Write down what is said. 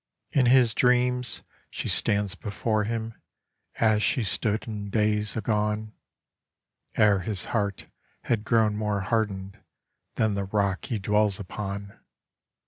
In his dreams she stands before him as she stood in days agone, Ere his heart had grown more hardened than the rock he dwells upon.